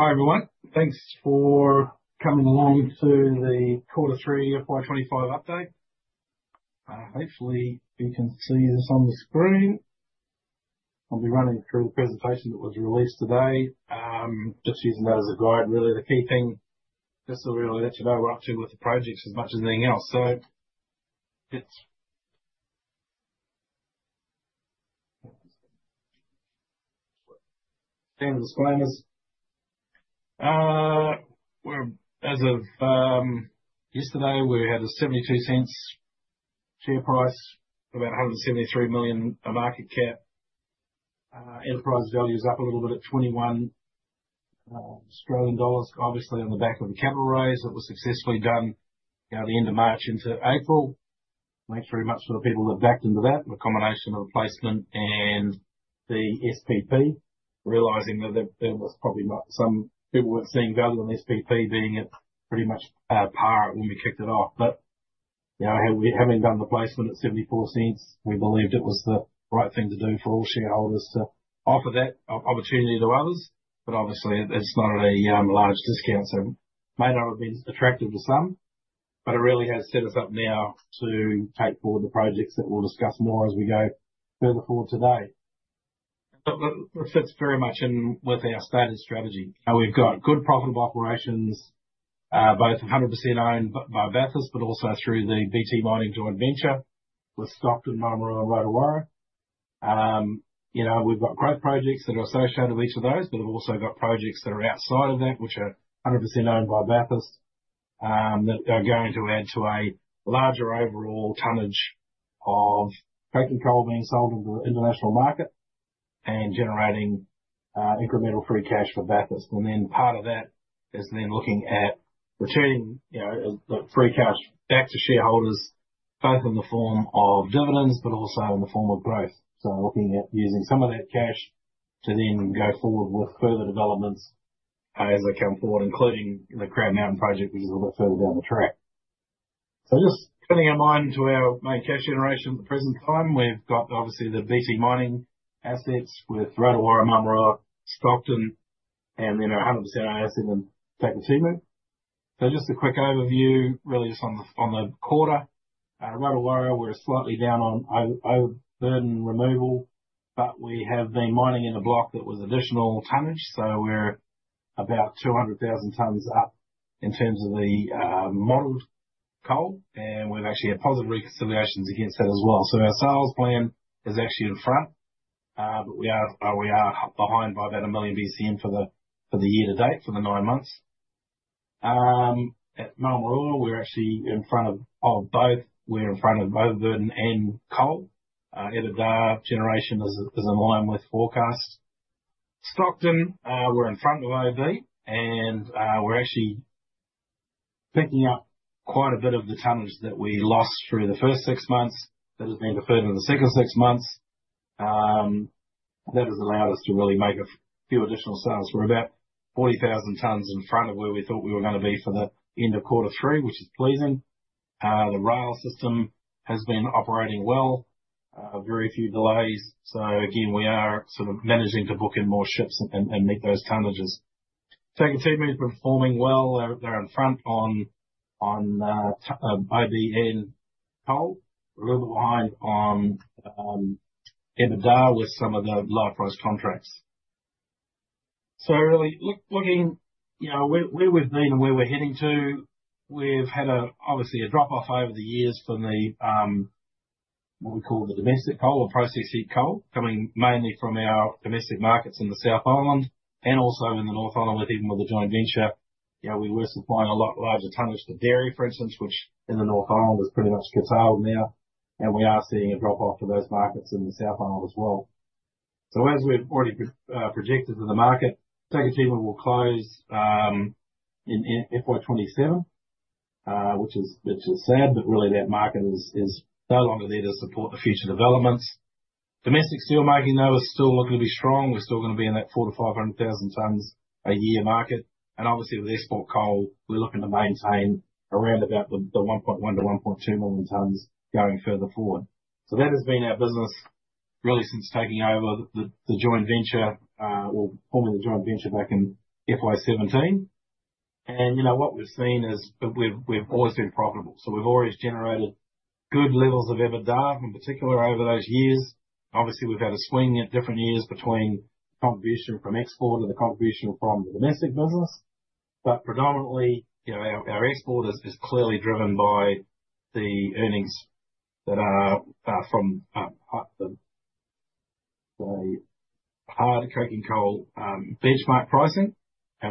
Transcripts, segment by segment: Hi everyone, thanks for coming along to the quarter three FY 2025 update. Hopefully you can see this on the screen. I'll be running through the presentation that was released today, just using that as a guide, really. The key thing just to really let you know where we're up to with the projects as much as anything else. It is standard disclaimers. As of yesterday, we had a 0.72 share price, about 173 million market cap. Enterprise value is up a little bit at 21 million Australian dollars, obviously on the back of the capital raise that was successfully done at the end of March into April. Thanks very much for the people that backed into that, the combination of the placement and the SPP, realizing that there was probably some people who were not seeing value in the SPP being at pretty much par when we kicked it off. Having done the placement at 0.74, we believed it was the right thing to do for all shareholders to offer that opportunity to others. Obviously, it is not at a large discount, so it may not have been attractive to some, but it really has set us up now to take forward the projects that we will discuss more as we go further forward today. It fits very much in with our stated strategy. We have good profitable operations, both 100% owned by Bathurst, but also through the BT Mining Joint Venture with Stockton, Maramarua, and Rotowaro. We've got growth projects that are associated with each of those, but we've also got projects that are outside of that, which are 100% owned by Bathurst, that are going to add to a larger overall tonnage of coking coal being sold into the international market and generating incremental free cash for Bathurst. Part of that is then looking at returning the free cash back to shareholders, both in the form of dividends, but also in the form of growth. Looking at using some of that cash to then go forward with further developments as they come forward, including the Crown Mountain project, which is a little bit further down the track. Just turning our mind to our main cash generation at the present time, we've got obviously the BT Mining assets with Rotowaro, Maramarua, Stockton, and then our 100% asset in Takitimu. Just a quick overview, really just on the quarter. Rotowaro, we're slightly down on overburden removal, but we have been mining in a block that was additional tonnage. We're about 200,000 tonnes up in terms of the modelled coal, and we've actually had positive reconciliations against that as well. Our sales plan is actually in front, but we are behind by about 1 million BCM for the year to date for the nine months. At Maramarua, we're actually in front of both. We're in front of overburden and coal. EBITDA generation is in line with forecast. Stockton, we're in front of OBN, and we're actually picking up quite a bit of the tonnage that we lost through the first six months that has been deferred in the second six months. That has allowed us to really make a few additional sales. We're about 40,000 tonnes in front of where we thought we were going to be for the end of quarter three, which is pleasing. The rail system has been operating well, very few delays. We are sort of managing to book in more ships and meet those tonnages. Takitimu has been performing well. They're in front on OBN coal, a little bit behind on EBITDA with some of the low-price contracts. Really looking where we've been and where we're heading to, we've had obviously a drop-off over the years from what we call the domestic coal or processed heat coal, coming mainly from our domestic markets in the South Island and also in the North Island, even with the joint venture. We were supplying a lot larger tonnage to dairy, for instance, which in the North Island is pretty much cut out now, and we are seeing a drop-off to those markets in the South Island as well. As we've already projected to the market, Takitimu will close in FY 2027, which is sad, but really that market is no longer there to support the future developments. Domestic steelmaking, though, is still looking to be strong. We're still going to be in that 400,000 tonnes-500,000 tonnes a year market. Obviously with export coal, we're looking to maintain around about the 1.1 million tonnes-1.2 million tonnes going further forward. That has been our business really since taking over the joint venture, or forming the joint venture back in FY 2017. What we've seen is we've always been profitable. We have always generated good levels of EBITDA in particular over those years. Obviously, we have had a swing at different years between contribution from export and the contribution from the domestic business. Predominantly, our export is clearly driven by the earnings that are from the hard coking coal benchmark pricing,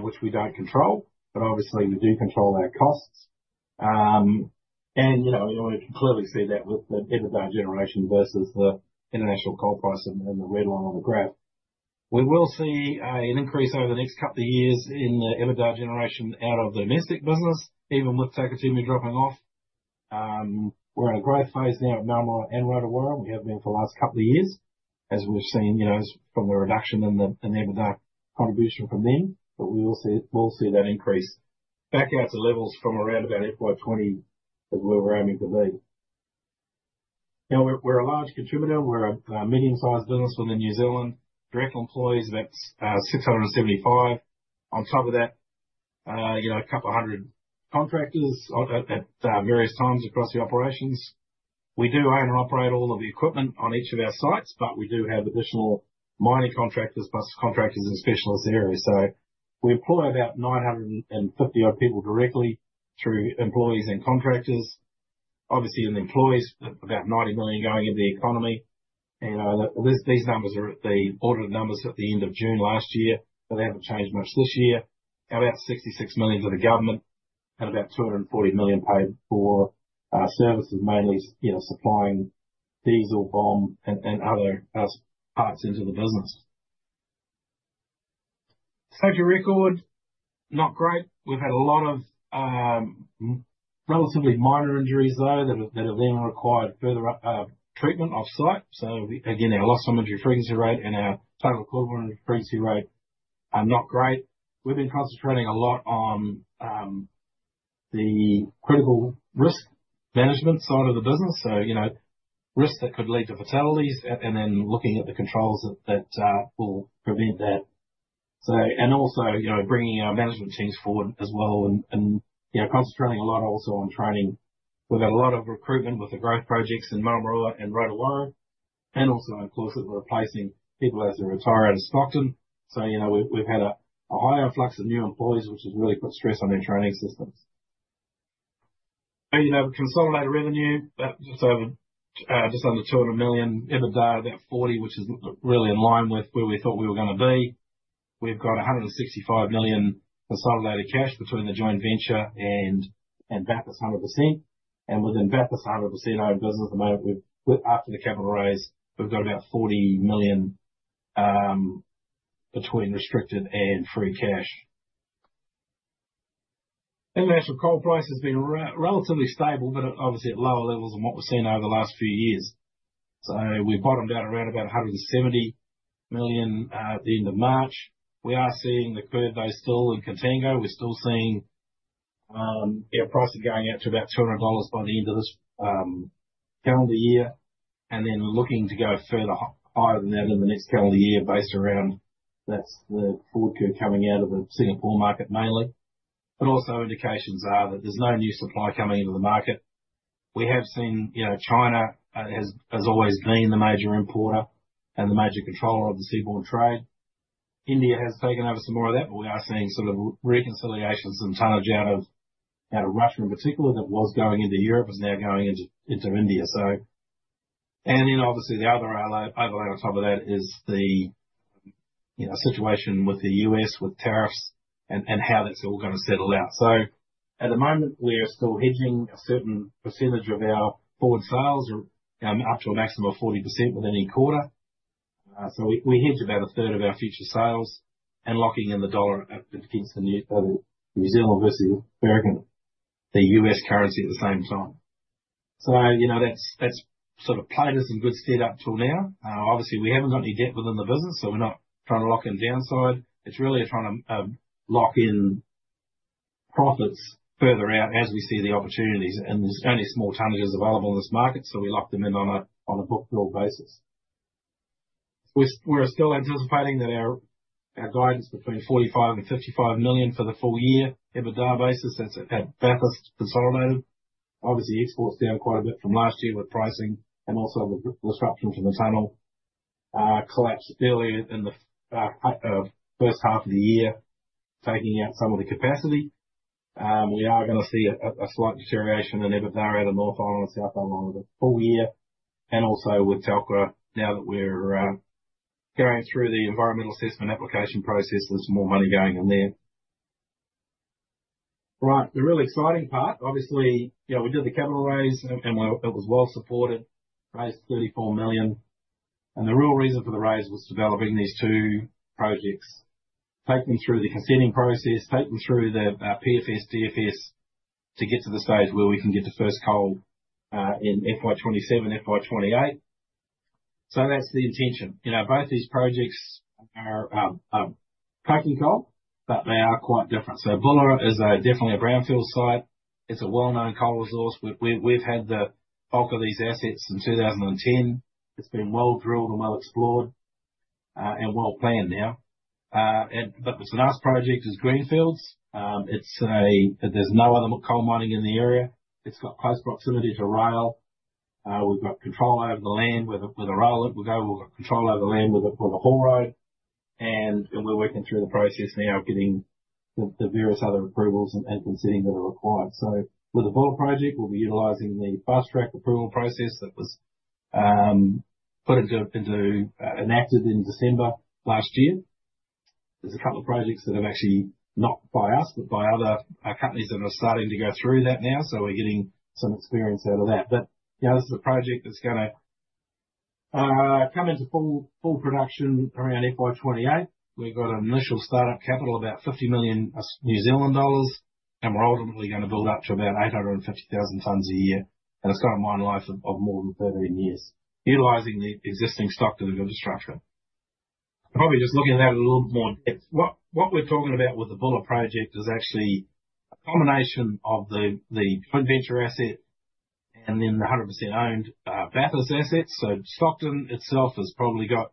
which we do not control, but obviously we do control our costs. We can clearly see that with the EBITDA generation versus the international coal price and the red line on the graph. We will see an increase over the next couple of years in the EBITDA generation out of the domestic business, even with Takitimu dropping off. We are in a growth phase now at Maramarua and Rotowaro. We have been for the last couple of years, as we have seen from the reduction in the EBITDA contribution from them. We will see that increase back out to levels from around about FY 2020, as we were aiming to be. We are a large contributor. We are a medium-sized business within New Zealand. Direct employees, about 675. On top of that, a couple of hundred contractors at various times across the operations. We do own and operate all of the equipment on each of our sites, but we do have additional mining contractors plus contractors in specialist areas. We employ about 950 odd people directly through employees and contractors. Obviously, in the employees, about 90 million going into the economy. These numbers are the audited numbers at the end of June last year, but they have not changed much this year. About 66 million to the government and about 240 million paid for services, mainly supplying diesel bomb, and other parts into the business. Social record, not great. We've had a lot of relatively minor injuries, though, that have then required further treatment off-site. Our loss on injury frequency rate and our total causal injury frequency rate are not great. We've been concentrating a lot on the critical risk management side of the business, risks that could lead to fatalities, and looking at the controls that will prevent that. Also bringing our management teams forward as well and concentrating a lot also on training. We've had a lot of recruitment with the growth projects in Maramarua and Rotowaro, and of course we're replacing people as they retire out of Stockton. We've had a higher influx of new employees, which has really put stress on their training systems. Consolidated revenue, just under 200 million. EBITDA about 40 million, which is really in line with where we thought we were going to be. We've got 165 million consolidated cash between the joint venture and Bathurst 100%. Within Bathurst 100% owned business at the moment, after the capital raise, we've got about 40 million between restricted and free cash. International coal price has been relatively stable, but obviously at lower levels than what we've seen over the last few years. We bottomed out around about 170 million at the end of March. We are seeing the curve though still in contango. We're still seeing our pricing going out to about 200 dollars by the end of this calendar year, and then looking to go further higher than that in the next calendar year based around that's the forward curve coming out of the Singapore market mainly. Also, indications are that there's no new supply coming into the market. We have seen China has always been the major importer and the major controller of the seaborne trade. India has taken over some more of that, but we are seeing sort of reconciliations and tonnage out of Russia in particular that was going into Europe is now going into India. Obviously the other overlay on top of that is the situation with the U.S. with tariffs and how that's all going to settle out. At the moment we are still hedging a certain percentage of our forward sales up to a maximum of 40% within each quarter. We hedge about 1/3 of our future sales and locking in the dollar against the New Zealand versus the U.S. currency at the same time. That has sort of played us in good stead up till now. Obviously we haven't got any debt within the business, so we're not trying to lock in downside. It's really trying to lock in profits further out as we see the opportunities. There's only small tonnages available in this market, so we lock them in on a book filled basis. We're still anticipating that our guidance between 45 million and 55 million for the full year EBITDA basis at Bathurst consolidated. Exports are down quite a bit from last year with pricing and also the disruption to the tunnel collapse earlier in the first half of the year, taking out some of the capacity. We are going to see a slight deterioration in EBITDA out of North Island and South Island over the full year. Also with Tenas, now that we're going through the environmental assessment application process, there's more money going in there. Right, the really exciting part, obviously we did the capital raise and it was well supported, raised 34 million. The real reason for the raise was developing these two projects, take them through the consenting process, take them through the PFS, DFS to get to the stage where we can get to first coal in FY 2027, FY 2028. That is the intention. Both these projects are coking coal, but they are quite different. Buller is definitely a brownfield site. It is a well-known coal resource. We have had the bulk of these assets since 2010. It has been well drilled and well explored and well planned now. The last project is Greenfields. There is no other coal mining in the area. It has got close proximity to rail. We have got control over the land where the rail link will go. We have got control over the land with the haul road. We're working through the process now of getting the various other approvals and consenting that are required. With the Buller project, we'll be utilizing the fast track approval process that was put into and acted in December last year. There are a couple of projects that have actually, not by us, but by other companies, that are starting to go through that now. We're getting some experience out of that. This is a project that's going to come into full production around FY 2028. We've got an initial startup capital of about 50 million New Zealand dollars, and we're ultimately going to build up to about 850,000 tonnes a year. It's got a mine life of more than 13 years, utilizing the existing stock to the good disruption. Probably just looking at that in a little bit more depth. What we're talking about with the Buller project is actually a combination of the joint venture asset and then the 100% owned Bathurst assets. Stockton itself has probably got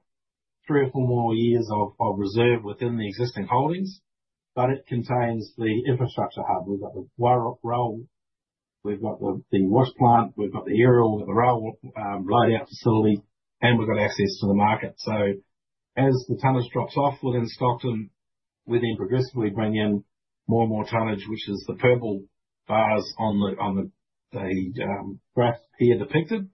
three or four more years of reserve within the existing holdings, but it contains the infrastructure hub. We've got the rail, we've got the wash plant, we've got the aerial, we've got the rail blade out facility, and we've got access to the market. As the tonnage drops off within Stockton, we progressively bring in more and more tonnage, which is the purple bars on the graph here depicted.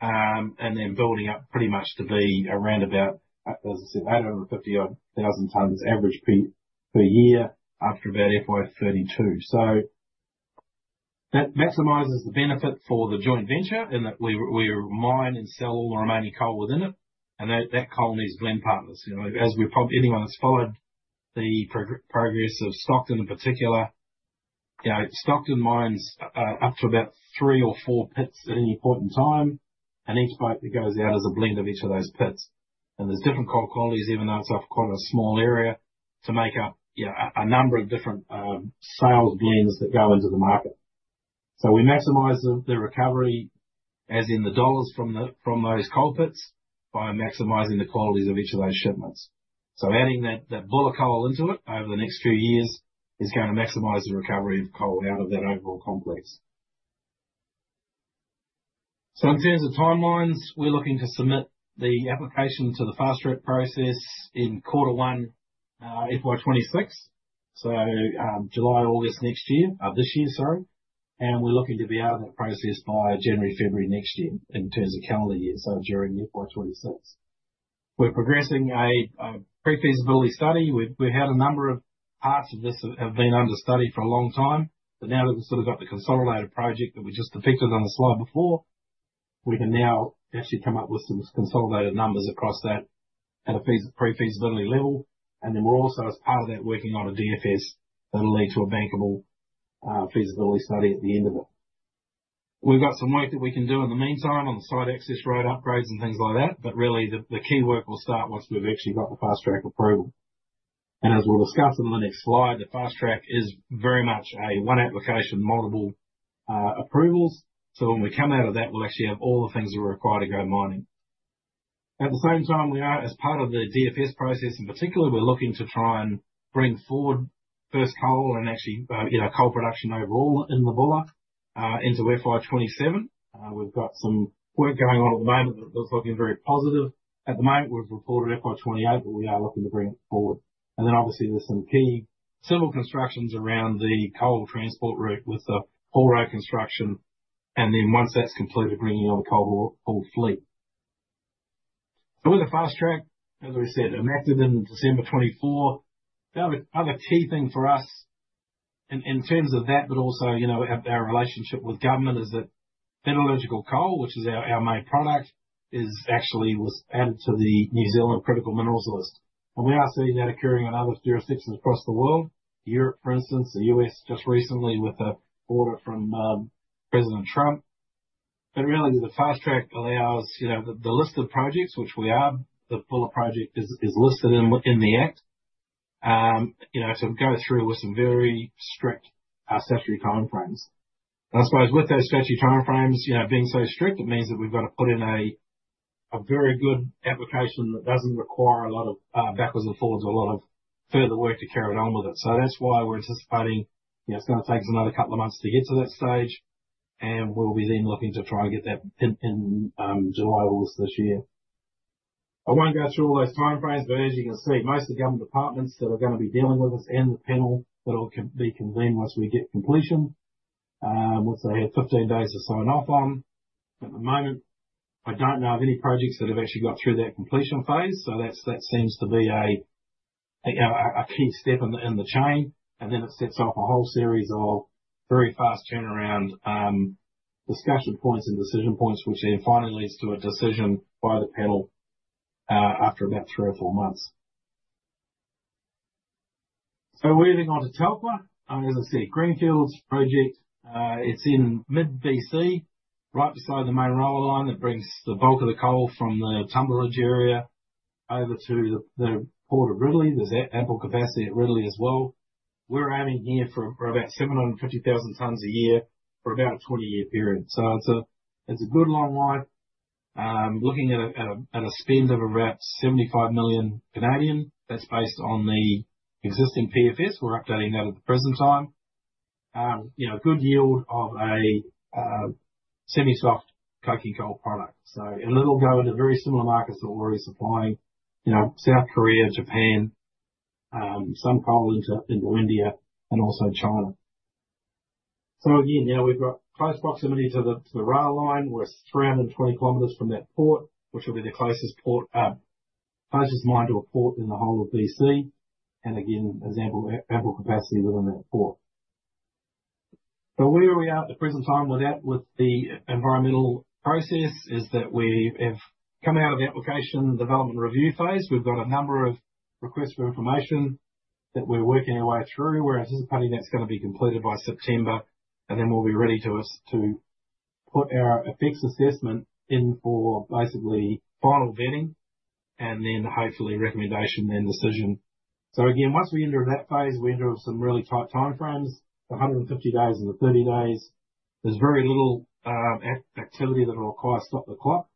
Building up pretty much to be around about, as I said, 850,000 tonnes average per year after about FY 2032. That maximizes the benefit for the joint venture in that we mine and sell all the remaining coal within it. That coal needs blend partners. As anyone that's followed the progress of Stockton in particular, Stockton mines up to about three or four pits at any point in time, and each boat that goes out is a blend of each of those pits. There's different coal qualities, even though it's off quite a small area, to make up a number of different sales blends that go into the market. We maximize the recovery, as in the dollars from those coal pits, by maximizing the qualities of each of those shipments. Adding that Buller coal into it over the next few years is going to maximize the recovery of coal out of that overall complex. In terms of timelines, we're looking to submit the application to the fast track process in quarter one, FY 2026, so July, August next year, this year, sorry. We are looking to be out of that process by January, February next year in terms of calendar year, so during FY 2026. We are progressing a pre-feasibility study. We have had a number of parts of this have been under study for a long time, but now that we have sort of got the consolidated project that we just depicted on the slide before, we can now actually come up with some consolidated numbers across that at a pre-feasibility level. We are also, as part of that, working on a DFS that will lead to a bankable feasibility study at the end of it. We have some work that we can do in the meantime on the site access road upgrades and things like that, but really the key work will start once we have actually got the fast track approval. As we'll discuss in the next slide, the fast track is very much a one application, multiple approvals. When we come out of that, we'll actually have all the things that are required to go mining. At the same time, as part of the DFS process in particular, we're looking to try and bring forward first coal and actually coal production overall in the Buller into FY 2027. We've got some work going on at the moment that looks like it's very positive. At the moment, we've reported FY 2028, but we are looking to bring it forward. Obviously there's some key civil constructions around the coal transport route with the haul road construction, and then once that's completed, bringing on the coal fleet. With the fast track, as we said, enacted in December 2024, the other key thing for us in terms of that, but also our relationship with government is that metallurgical coal, which is our main product, actually was added to the New Zealand critical minerals list. We are seeing that occurring in other jurisdictions across the world, Europe, for instance, the U.S. just recently with the order from President Trump. Really, the fast track allows the listed projects, which we are, the Buller project is listed in the act, to go through with some very strict statutory timeframes. I suppose with those statutory timeframes, being so strict, it means that we've got to put in a very good application that does not require a lot of backwards and forwards or a lot of further work to carry on with it. That's why we're anticipating it's going to take us another couple of months to get to that stage, and we'll be then looking to try and get that in July or August this year. I won't go through all those timeframes, but as you can see, most of the government departments that are going to be dealing with us and the panel that will be convened once we get completion, which they have 15 days to sign off on. At the moment, I don't know of any projects that have actually got through that completion phase, so that seems to be a key step in the chain, and then it sets off a whole series of very fast turnaround discussion points and decision points, which then finally leads to a decision by the panel after about three or four months. We're moving on to Telqua. As I said, Greenfields project, it's in mid-BC, right beside the main rail line that brings the bulk of the coal from the Tumbler Ridge area over to the Port of Ridley. There's ample capacity at Ridley as well. We're aiming here for about 750,000 tonnes a year for about a 20-year period. It's a good long life. Looking at a spend of around 75 million, that's based on the existing PFS. We're updating that at the present time. Good yield of a semi-soft coking coal product. It'll go into very similar markets that we're already supplying: South Korea, Japan, some coal into India and also China. Now we've got close proximity to the rail line. We're 320 km from that port, which will be the closest mine to a port in the whole of BC. Again, ample capacity within that port. Where we are at the present time with that, with the environmental process, is that we have come out of the application development review phase. We've got a number of requests for information that we're working our way through. We're anticipating that's going to be completed by September, and then we'll be ready to put our effects assessment in for basically final vetting and then hopefully recommendation and decision. Again, once we enter that phase, we enter some really tight timeframes, the 150 days and the 30 days. There's very little activity that'll require stop the clock,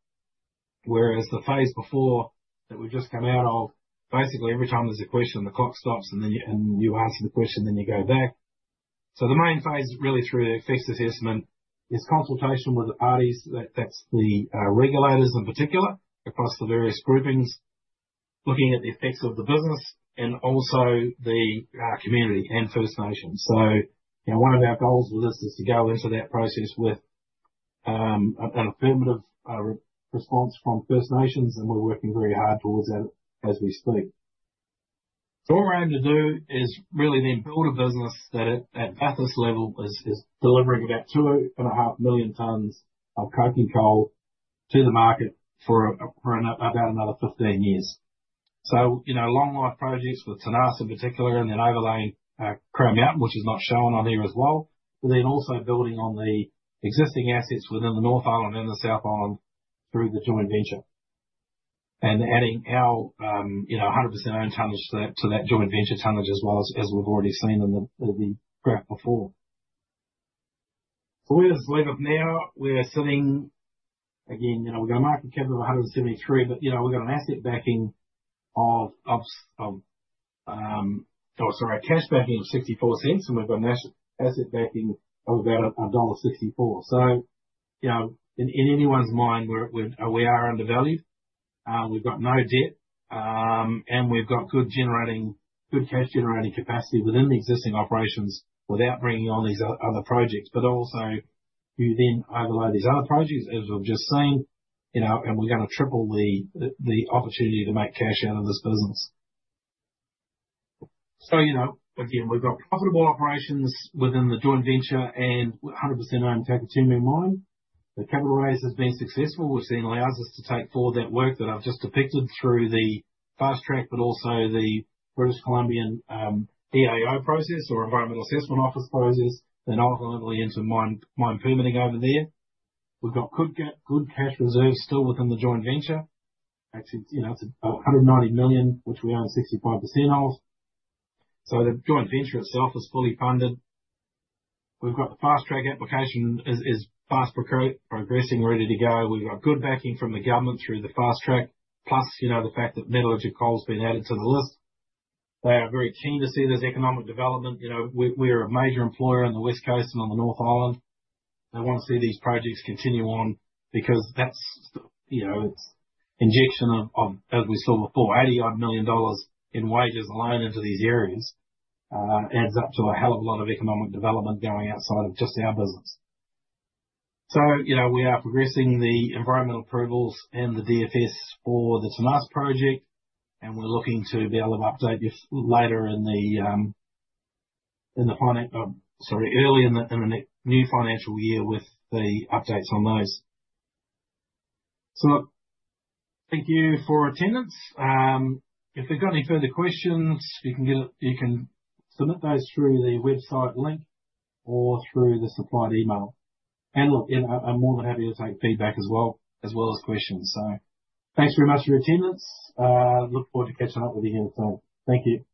whereas the phase before that we've just come out of, basically every time there's a question, the clock stops and then you answer the question, then you go back. The main phase really through the effects assessment is consultation with the parties, that's the regulators in particular, across the various groupings, looking at the effects of the business and also the community and First Nations. One of our goals with this is to go into that process with an affirmative response from First Nations, and we're working very hard towards that as we speak. What we're aiming to do is really then build a business that at Bathurst level is delivering about 2.5 million tonnes of coking coal to the market for about another 15 years. Long life projects with Tenas in particular and then overlaying Crown Mountain, which is not shown on here as well, but then also building on the existing assets within the North Island and the South Island through the joint venture. Adding our 100% owned tonnage to that joint venture tonnage as well as we have already seen in the graph before. Where does this leave us now? We are sitting, again, we have a market cap of 173 million, but we have a cash backing of 0.64, and we have an asset backing of about dollar 1.64. In anyone's mind, we are undervalued. We have no debt, and we have good cash generating capacity within the existing operations without bringing on these other projects. You then overlay these other projects, as we have just seen, and we are going to triple the opportunity to make cash out of this business. Again, we have profitable operations within the joint venture and 100% owned Takitimu mine. The capital raise has been successful, which then allows us to take forward that work that I've just depicted through the fast track, but also the British Columbian EAO process or Environmental Assessment Office process, then ultimately into mine permitting over there. We've got good cash reserves still within the joint venture. Actually, it's 190 million, which we own 65% of. So the joint venture itself is fully funded. We've got the fast track application is fast progressing, ready to go. We've got good backing from the government through the fast track, plus the fact that metallurgical coal has been added to the list. They are very keen to see this economic development. We are a major employer in the West Coast and on the North Island. They want to see these projects continue on because that's injection of, as we saw before, 80 million dollars in wages alone into these areas adds up to a hell of a lot of economic development going outside of just our business. We are progressing the environmental approvals and the DFS for the Tenas project, and we're looking to be able to update early in the new financial year with the updates on those. Thank you for attendance. If we've got any further questions, you can submit those through the website link or through the supplied email. I'm more than happy to take feedback as well, as well as questions. Thanks very much for your attendance. Look forward to catching up with you here soon. Thank you.